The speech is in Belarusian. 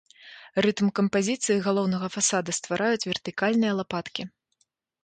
Рытм кампазіцыі галоўнага фасада ствараюць вертыкальныя лапаткі.